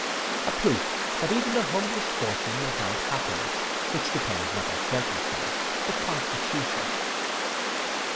A proof that even the humblest fortune may grant happiness, which depends not on circumstance, but constitution.